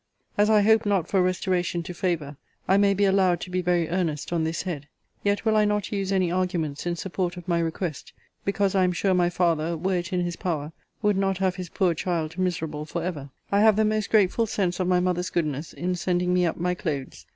As I hope not for restoration to favour, I may be allowed to be very earnest on this head: yet will I not use any arguments in support of my request, because I am sure my father, were it in his power, would not have his poor child miserable for ever. I have the most grateful sense of my mother's goodness in sending me up my clothes.